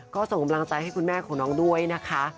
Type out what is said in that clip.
ก็ส่งกำลังใจให้คุณแม่ของน้องด้วยนะคะ